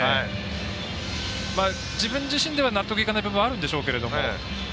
自分自身では納得いかない部分あるんでしょうけれども。